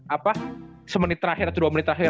apa semenit terakhir atau dua menit terakhir